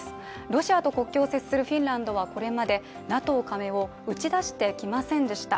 ロシアと国境を接するフィンランドはこれまでＮＡＴＯ加盟を打ち出してきませんでした。